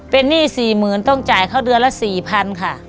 เป็นหนี้สี่หมื่นต้องจ่ายเขาเดือนละสี่พันค่ะ